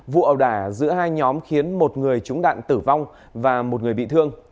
vụ ẩu đả giữa hai nhóm khiến một người trúng đạn tử vong và một người bị thương